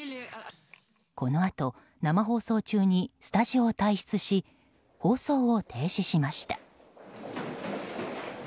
このあと生放送中にスタジオを退出し放送を停止しました。